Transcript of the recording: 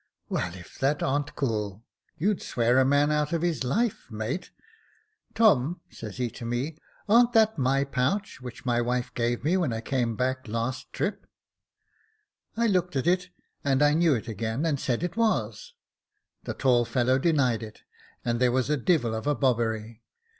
"* Well, if that arn't cool ! you'd swear a man out of his life, mate. Tom,' says he to me, ' arn't that my pouch which my wife gave me when I came back last trip ?'" I looked at it, and knew it again, and said it was. The tall fellow denied it, and there was a devil of a bobbery.